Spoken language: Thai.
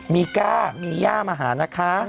มีก้ามีย่ามาหานะคะ